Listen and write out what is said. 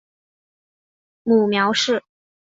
母苗氏。